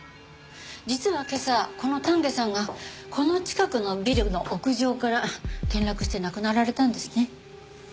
実は今朝この丹下さんがこの近くのビルの屋上から転落して亡くなられたんですね。